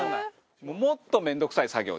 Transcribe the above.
もっと面倒くさい作業です